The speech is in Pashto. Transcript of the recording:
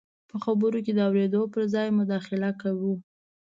په خبرو کې د اورېدو پر ځای مداخله کوو.